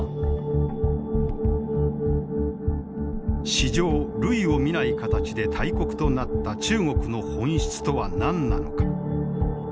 史上類を見ない形で大国となった中国の本質とは何なのか。